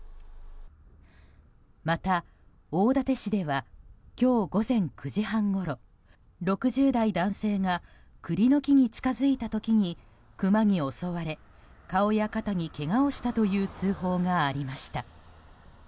また大館市では今日午前９時半ごろ６０代男性が栗の木に近づいた時にクマに襲われ、顔や肩にけがをしたという通報がありました。